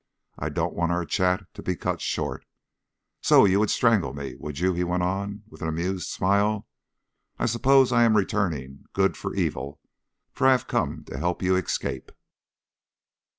"I don't want our chat to be cut short. So you would strangle me, would you!" he went on, with an amused smile. "I suppose I am returning good for evil, for I have come to help you to escape."